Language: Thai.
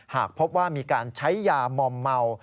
หากพบว่ามีการใช้ยามอมเมา